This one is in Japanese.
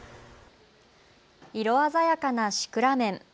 色鮮やかなシクラメン。